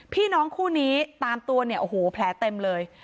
พี่น้องคู่นี้ตามตัวเนี่ยโอ้โหแผลเต็มเลย